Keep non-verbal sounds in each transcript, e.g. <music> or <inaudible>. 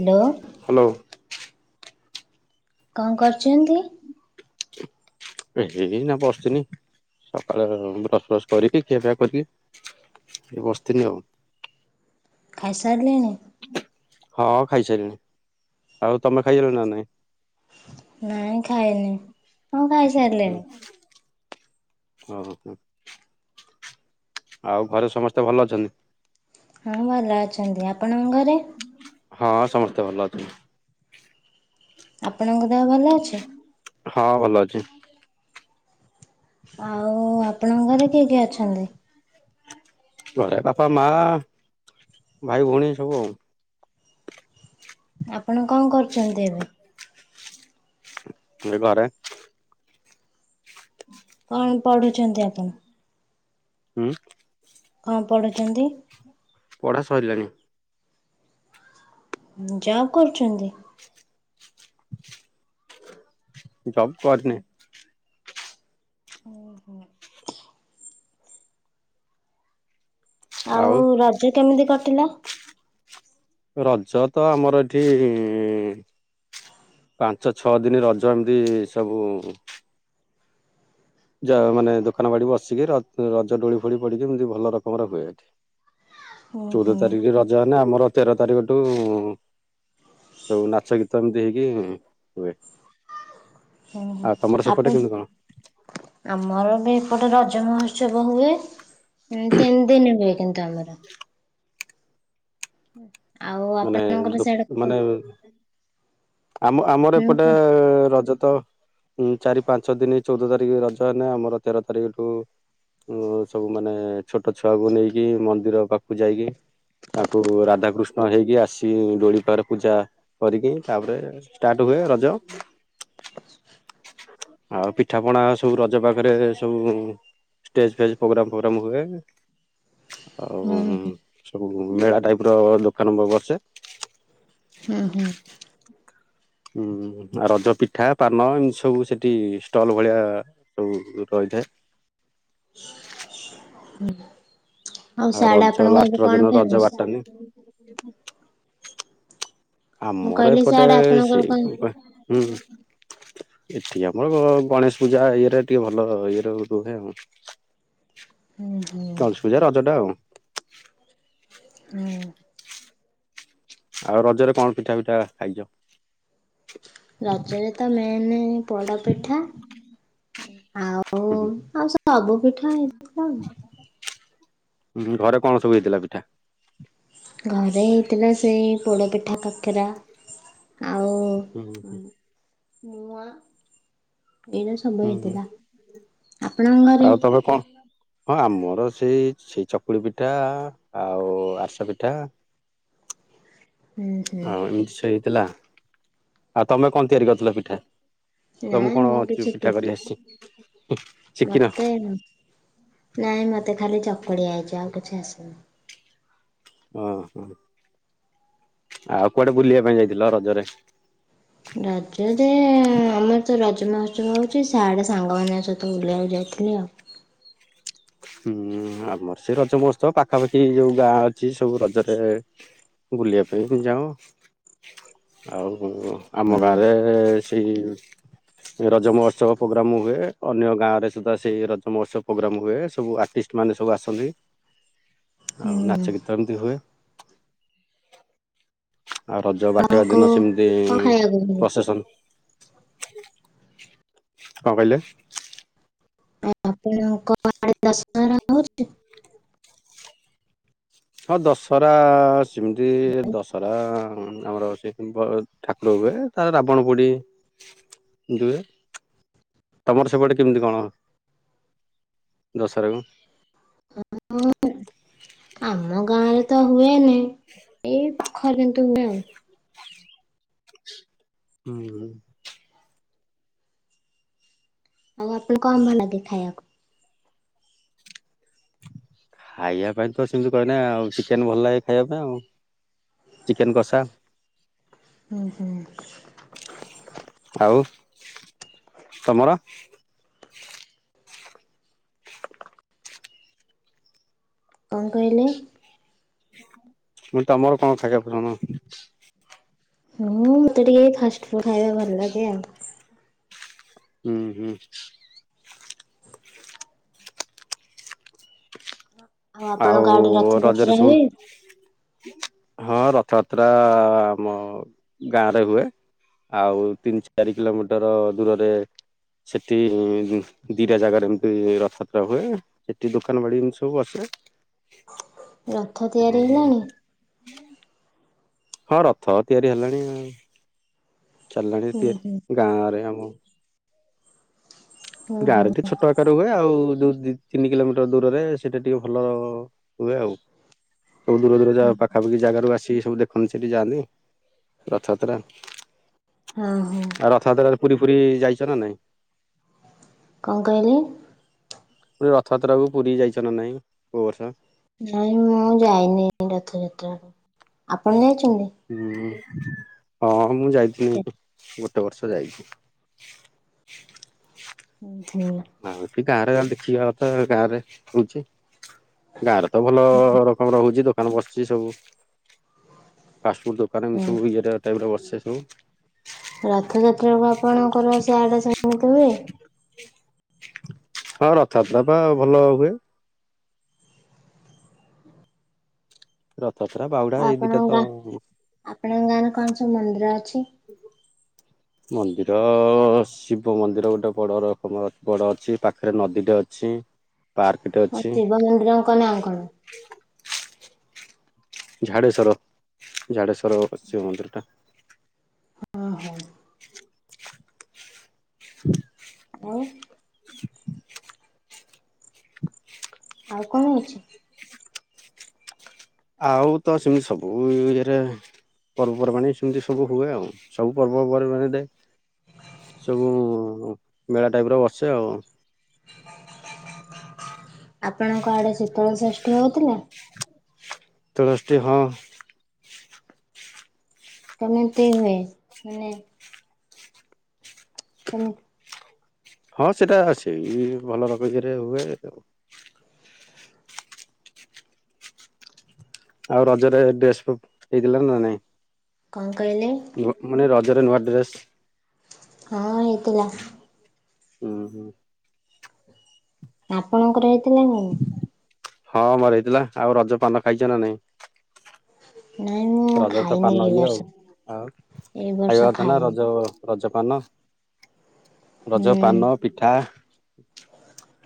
Hello. Hello କଣ କରୁଛନ୍ତି? <unintelligible> ଏଇନା ବସିିନି ସକାଳ ବସ ଫ୍ରସ କରିକି ଖିଆ ପିଆ କରିକି। ଏ ବସିଥିଲି ଆଉ। ଖାଇ ସାରିଲେଣି? ହଁ ଖାଇ ସାରିଲିଣି। ଆଉ ତମେ ଖାଇ ସାରିଲଣି ନା ନାଇଁ? ନାଇଁ ଖାଇନି। ହଁ ଖାଇସାରିଲିଣି। ଓ ହୋ ହୋ। ଆଉ ଘରେ ସମସ୍ତେ ଭଲ ଅଛନ୍ତି? ହଁ ଭଲ ଅଛନ୍ତି। ଆପଣଙ୍କ ଘରେ? ହଁ ସମସ୍ତେ ଭଲ ଅଛନ୍ତି। ଆପଣଙ୍କ ଦେହ ଭଲ ଅଛି? <inaudible> ଆଉ ଆପଣଙ୍କ ଘରେ କିଏ କିଏ ଅଛନ୍ତି? ଘରେ ବାପା, ମାଆ, ଭାଇ ଭଉଣୀ ସବୁ ଆଉ ଆପଣ କଣ କରୁଛନ୍ତି ଏବେ? ମୁଁ ଘରେ। କଣ ପଢୁଛନ୍ତି ଆପଣ? ହୁଁ? କଣ ପଢୁଛନ୍ତି? ପଢା ସରିଲାଣି। ଜବ୍ କରୁଛନ୍ତି? ଜବ୍ କରିନି। ଓ ହୋ। ଆଉ ରଜ କେମିତି କଟିଲା? ରଜ ତ ଆମର ଏଠି ପାଞ୍ଚ ଛଅ ଦିନି ରଜ ଏମିତି ସବୁ ଜ ମାନେ ଦୋକାନ ବାଡି ବସିକି ର-ରଜ ଦୋଳି ଫୋଳି ପଡିକି ଏମିତି ଭଲ ରକମର ହୁଏ ଏଠି। <unintelligible> ଚଉଦ ହୁଁ ତାରିଖରେ ରଜ ହେନେ ଆମର ତେର ତାରିକ ଠୁ ସବୁ ନାଚ ଗୀତ ଏମିତି ହେଇକି ହୁଏ। ହୁଁ ହୁଁ ଆଉ ତମର ଆପଣ ସେପଟେ କେମତି କଣ? ଆମର ବି ଏପଟେ ରଜ ମହୋତ୍ସବ ହୁଏ। ତିନି ଦିନ ହୁଏ କିନ୍ତୁ ଆମର। ଆଉ ମାନେ ଆପଣଙ୍କର ସେଇଡା କ ଆମ-ଆମର ଏପଟେ ରଜ। ତ ଚାରି ପାଞ୍ଚ ଦିନ ଚଉଦ ତାରିକ୍ ରଜ ହେନେ ଆମର ତେର ତାରିଖ ଠୁ ଉଁ ସବୁ ମାନେ ଛୋଟ ଛୁଆକୁ ନେଇକି ମନ୍ଦିର ପାଖକୁ ଯାଇକି। ତାଙ୍କୁ ରାଧାକୃ ଷ୍ଣ ହେଇକି ଆସିିକି ଡୋଳି ପାଖରେ ପୂଜା କରିକି ତାପରେ ଷ୍ଟାର୍ଟ ହୁଏ ରଜ। <unintelligible> ଆଉ ପିଠାପଣା ସବୁ ରଜ ପାଖରେ ସବୁ ଷ୍ଟେଜ ଫେଜ ପ୍ରୋଗ୍ରାମ ଫୋଗ୍ରାମ ହୁଏ। ଆଉ ହୁଁ ହୁଁ ସବୁ ମେଳା ଟାଇପ ର ଦୋକାନ ବ-ବସେ। ହୁଁ ହୁଁ। ହୁଁ ଆଉ ରଜ ପିଠା ପାନ ଏମିତି ସବୁ ସେଠି ଷ୍ଟଲ ଭଳିଆ ସବୁ ରହିଥାଏ। ଉଁ। ଆଉ ରଜ ଲାଷ୍ଟ ରଜଦିନ ଫେମସ୍? ବାଟାନୀ ମୁଁ ଆମର କହିଲି ଏପଟେ ସିଆଡେ ଆପଣଙ୍କର ସେଇ କଣ ହୁଁ। ଏଠି ଆମର ଗ-ଗଣେଶ ପୂଜା ଇଏରେ ଟିକେ ଭଲ ଇଏର ରୁହେ ଆଉ। <inaudible> ଗଣେଶ ପୂଜା ରଜ ଟା ଆଉ। ହୁଁ। ଆଉ ରଜରେ କଣ ପିଠା ପିଠା ଖାଇଚ? ରଜରେ ତ ମେନ୍ ପୋଡପିଠା। ଆଉ ଆଉ ସବୁ ପିଠା ହେଇଥିଲା। ଘରେ କଣ ସବୁ ହେଇଥିଲା ପିଠା? ଘରେ ହେଇଥିଲା ସେଇ ପୋଡ଼ପିଠା କାକେରା। ଆଉ ହୁଁ ମୁଆଁ। ଏଇରା ସବୁ ହୁଁ ହୁଁ ହେଇଥିଲା ଆପଣଙ୍କ ଘରେ? ଆଉ ତମେ କଣ ହଁ ଆମର ସେଇ ସେଇ ଚକୁଳି ପିଠା ଆଉ ଆରଶା ପିଠା। <inaudible> ହୁଁ ହଁ ଏମିତି ସେଇହେଇଥିଲା ଆଉ ତମେ କଣ ତିଆରି କରିଥିଲ ପିଠା? ତମେ ନାଇଁ କଣ ମୁଁ ଅଛୁ କିଛି ପିଠା କରି ଆସିଛି ଶିଖିନ ମତେ ନାଇଁ ମତେ ଖାଲି ଚକୁଳି ଆଇଚି ଆଉ କିଛି ଆସୁନି। ଆଉ କୁଆଡେ ବୁଲିବା ପାଇଁ ଯାଇଥିଲ ରଜରେ। ରଜରେ ଆମର ତ ରଜ ମହୋତ୍ସବ ହଉଚି ସାଢେ ସାଙ୍ଗମାନଙ୍କ ସହିତ ବିଲିବାକୁ ଯାଇଥିଲି ଆଉ। ହୁଁ ଆମର ସେ ରଜ ମହୋତ୍ସବ ପାଖାପାଖି ଯୋଉ ଗାଁ ଅଛି ସବୁ ରଜରେ ବୁଲିବା ପାଇଁ ଯାଉଁ ଆଉ ଆମ ହୁଁ ଗାଁରେ ସେଇ ରଜ ମହୋତ୍ସବ ପୋଗ୍ରାମ ହୁଏ ଅନ୍ୟ ଗାଁ ରେ ସୁଧା ସେଇ ରଜ ମହୋତ୍ସବ ପୋଗ୍ରାମ ହୁଏ। ସବୁ ଆର୍ଟିଷ୍ଟ ମାନେ ସବୁ ଆସନ୍ତି, ଆଉ ହୁଁ ନାଚ ଗୀତ ଏମିତି ହୁଏ। ଆଉ ରଜ ବାଟେଇବା ଆପଣଙ୍କୁ ଦିନ ସେମିତି କଣ ଖାଇବାକୁ ମିଳେ? ପ୍ରସେଶନ୍ କଣ କହିଲେ? ଆଉ ଆପଣଙ୍କ ଆଡେ ଦଶହରା ହଉଚି? ହଁ ଦଶରା-ଆ ସିମିତି ଦଶରା ଆମର ସେକୁ ବ ଠାକୁର ହୁଏ। ତାର ରାବଣ ପୋଡି ଦୁହେ। ତମର ସେପଟେ କେମିତି କଣ? ଦଶରା ଗୁ ହ <inaudible> ଆମ ଗାଁ ରେ ତ ହୁଏନି। ଏଇ ପୋଖରେନ୍ତୁ ହୁଏ ଆଉ। ହୁଁ। ଆଉ ଆପଣ କଣ ଭଲାଗେ ଖାଇଆକୁ? ଖାଇବା ପାଇଁ ତ ସେମିତି କହିନେ, ଆଉ ଚିକେନ ଭଲ ଲାଗେ ଖାଇବା ପାଇଁ ଆଉ। ଚିକେନ କଷା। ହୁଁ ହୁଁ। ଆଉ ତମର କଣ କହିଲେ? ମୁଁ ତମର କଣ ଖାଇବାକୁ ପସନ? ହୁଁ, ମତେ ଟିକେ ଫାଷ୍ଟ ଫୁଡ ଖାଇବା ଭଲ ଲାଗେ ଆଉ। ହୁଁ ହୁଁ। ଆଉ ଆପଣଙ୍କ ଆଡେ ରଜର ରଥଯାତ୍ରା ସୁୁନ ହୁଏ? ହଁ, ରଥଯାତ୍ରା ଆମ ଗାଁରେ ହୁଏ। ଆଉ ତିନି ଚାରି କିଲୋମିଟର ଦୂରରେ ସେଠି-ଇଁ ଦିଟା ଜାଗାରେ ଏମିତି ରଥଯାତ୍ରା ହୁଏଁ। ସେଠି ଦୋକାନ ବାଡି ଏମିତି ସବୁ ବସେ। ରଥ ତିଆରି ହେଲାଣି? ହଁ ହଁ, ରଥ ତିଆରି ହେଲାଣି। ଆଉ ଚାଲିଲାଣି ହୁଁ ହୁଁ ତିଆରି ଗାଁରେ ଆମ। ହୁଁ ଗାଁରେ ବି ହୁଁ ଛୋଟ ଆକାର ହୁଏ। ଆଉ ଯଉ ଦି ତିନି କିଲୋମିଟର ଦୂରରେ, ସେଇଟା ଟିକେ ଭଲ ହୁଏ ଆଉ। ସବୁ ଦୂର ଦୂର ଯା ପାଖାପାଖି ଜାଗାରୁ ଆସି ସବୁ ଦେଖନ୍ତି, ସେଠି ଯାଆନ୍ତି ରଥଯାତ୍ରା। ହଁ ହଁ। ଆଉ ରଥଯାତ୍ରାରେ ପୁରୀ ଫୁରୀ ଯାଇଛ ନା ନାଇଁ? କଣ କହିଲେ? ରଥଯାତ୍ରା କୁ ପୁରୀ ଯାଇଛ ନା ନାଇଁ କୋଉ ବର୍ଷ? ନାଇଁ ମୁଁ ଯାଇନି ରଥଯାତ୍ରା। ଆପଣ ଯାଇଛନ୍ତି? ହୁଁ ହଁ ମୁଁ ଯାଇଥିନି, ଗୋଟ ଟେ ବର୍ଷ ଯାଇଛି। ହୁଁ। ଆଉ ଏଠି ଗାଁରେ ଦେଖିକା କଥା ଗାଁରେ ହଉଚି। ଗାଁରେ ତ ଭଲ ରକମର ରହୁଛି। ଦୋକାନ ବସୁଛି ସବୁ। ଫାଷ୍ଟଫୁଡ଼ ଦୋକାନ ଏମ୍ ହଁ ସବୁ ଇଏ ଟାଇପ୍ ର ବସେ ସବୁ। ରଥଯାତ୍ରା କୁ ଆପଣଙ୍କର ସେ ଆଡେ ସେମିତି ହୁଏ। ହଁ, ରଥଆତ୍ରା ତ ଭଲ ହୁଏ। ରଥ ପ୍ରା ବାହୁଡା ଏଇ ଦିଇଟା ତଁ ଅ ତେଣଙ୍ଗାନ କଣ ସ ମନ୍ଦିର ଅଛି? ହ ହ ମନ୍ଦିର-ଅ-ଅ ଶିବ ମନ୍ଦିର ଗୋଟେ ବଡ଼ ରକମ ବଡ଼ ଅଛି। ପାଖରେ ନଦୀଟେ ଅଛି। ପାର୍କଟେ ଅଛି। ଶିବ ମନ୍ଦିରଙ୍କ ନାଁ କଣ? ଝାଡ଼େଶ୍ୱର ଝାଡ଼େଶ୍ୱର ଅଛି ମନ୍ଦିରଟା। ଓହୋ <inaudible> ଆଉ <unintelligible> ଆଉ କଣ ହେଇଛି ଆଉ ତ ସେମିତି ସବୁ ଇରେ ପର୍ବପର୍ବାଣି ସେମିତି ସବୁ ହୁଏ ଆଉ ସବୁ ପର୍ବପର୍ବାଣ ଦେ ସବୁ ମେଳା ଟାଇପ ର ବସେ ଆଉ ଆପଣଙ୍କ ଆଡେ ଶୀତଳ ଷଷ୍ଠୀ ହଉଥିଲା? ତୁଳସଟି ହଁ। କେମତି ହୁଏ ମାନେ? ମାନେ ହଁ ସେଟା ଅଛି ଭଲ ରକମରେ ହୁଏ ଆଉ ରଜରେ ଡ୍ରେସ ହେଇଥିଲା ନାଁ ନାଇଁ? କଣ କହିଲେ? ମାନେ ରଜରେ ନୂଆ ଡ୍ରେସ? ହଁ ହେଇଥିଲା। ହୁଁ ହୁଁ। ଆପଣଙ୍କର ହେଇଥିଲା ନାଁ ନାହିଁ? ହଁ ମୋର ହେଇଥିଲା ଆଉ ରଜ ପାନ ଖାଇଛ ନାଁ ନାଇଁ? ନାଇଁ ମୁଁ ରଜ ରେ ତ ଖାଇନି ପାନ ଏଇ ଇଏ ବର୍ଷ ଆଉ ଏଇ ବର୍ଷ ଖାଇବା କଥା ନାଁ ଖାଇନି ରଜ ରଜ ପାନ ରଜ ହୁଁ। ପାନ ପିଠା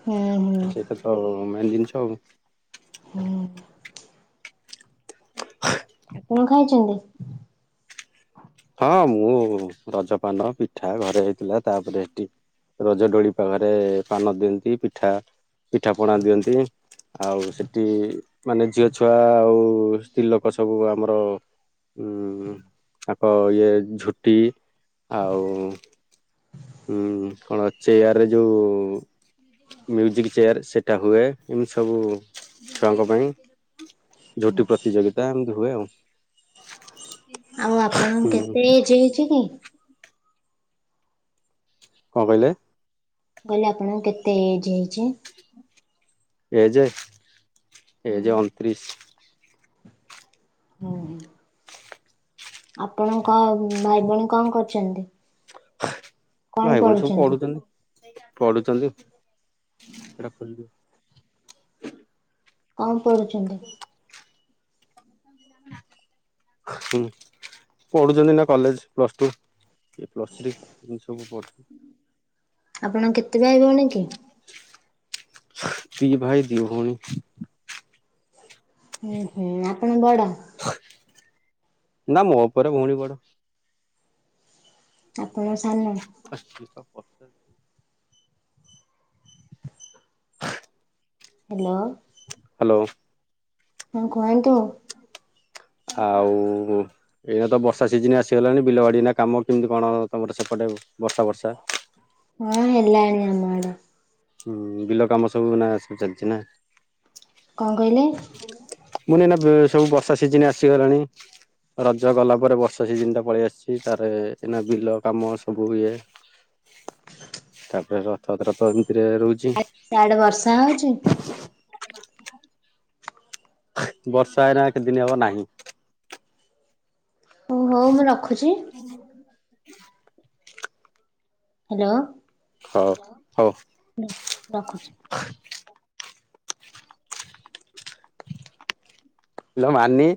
ହୁଁ ହୁଁ। ସେଇଟା ତ ମେନ୍ ଜିନିଷ ଆଉ ହୁଁ। ଆ କଣ ଖାଇଛନ୍ତି। ହଁ ମୁଁ ରଜପାନ ପିଠା ଘରେ ହେଇଥିଲା ତାପରେ ହେଠି ରଜଡୋଳି ପାଖରେ ପାନ ଦିଅନ୍ତି ପିଠା ପିଠା ପଣା ଦିଅନ୍ତି। ଆଉ ସେଠି ମାନେ ଝିଅ ଛୁଆ ଆଉ ସ୍ତ୍ରୀଲୋକ ସବୁ ଆମର ଉଁ ତାଙ୍କ ଇଏ ଝୁଟି ଆଉ ହୁଁ କଣ ଚେୟାରରେ ଯୋଉଁ ମ୍ୟୁଜିକ୍ ଚେୟାର ସେଇଟା ହୁଏ ଏମିତି ସବୁ ଛୁଆଙ୍କ ପାଇଁ। ଝୋଟି ପ୍ରତିଯୋଗିତା ଏମିତି ହୁଏ ଆଉ। ଆଉ ଆପଣଙ୍କୁ ହୁଁ। କେତେ ଏଜ୍ ହେଇଛି କି? କଣ କହିଲେ? କହିଲେ ଆପଣଙ୍କୁ କେତେ ଏଜ ହେଇଛି? ଏ ଯେ ଏ ହୁଁ ଯେ ଅଣତିରିଶ। ଓ ହୋ ଆପଣଙ୍କ ଭାଇ ଭଉଣୀ କଣ କରୁଛନ୍ତି କଣ ଭାଇ ଭଉଣୀ ସବୁ କରୁଛନ୍ତି? ପଢୁଛନ୍ତି ପଢୁଛନ୍ତି ସେଟା ଖୋ କଣ ପଢୁଛନ୍ତି? ହୁଁ ପଢୁଛନ୍ତି ନା କଲେଜ ପ୍ଲସ ଟୁ। ଏ ପ୍ଲସ୍ ଥ୍ରୀ ଏମିତି ସବୁ ପ ଆପଣ କେତେ ଭାଇଭଉଣୀ କି? ଦି ଭାଇ ଦି ଭଉଣୀ। ଓହୋ ଆପଣ ବଡ? ନାଁ ମୋ ଉପରେ ଭଉଣୀ ବଡ ଆପଣ ସାନ? ଆ <inaudible> ହ୍ୟାଲୋ। ହ୍ୟାଲୋ। ହଉ କୁହନ୍ତୁ। ଆଉ ଏଇନା ତ ବର୍ଷା ସିଜିନ୍ ଆସିଗଲାଣି ବିଲବାଡ଼ି ନା କାମ କେମିତି କଣ ତମର ସେ ପଟେ ବର୍ଷା ବର୍ଷା। ହଁ ହେଲାଣି ଆମ ଆଡ଼େ। ହୁଁ ବିଲ କାମ ସବୁ ନା ସବୁ ଚାଲିଛି ନା? କଣ କହିଲେ? ମୁଁ <unintelligible> ସବୁ ବର୍ଷା ସିଜିନ୍ ଆସିଗଲାଣି। ରଜ ଗଲା ପରେ ବର୍ଷା ସିଜିନ୍ ଟା ପଳେଇ ଆସିଛି ତାର ଏଇନା ବିଲ କାମ ସବୁ ଇଏ <inaudible> ତାପରେ ରଥଯାତ୍ରା ଏମିତିରେ ରହୁଛି ଆଜି ସିଆଡେ଼ ବର୍ଷା ହଉଚି? ବର୍ଷା ଏଇନା କେତେ ଦିନ ହବ ନାହିଁ। ଓ ହଉ ମୁଁ ରଖୁଛି। ହ୍ୟାଲୋ। ହଉ ହଉ। ରଖୁଛି। ହାଲୋ ମାନି।